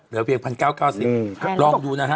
เหลือเพียง๑๙๙๐บาท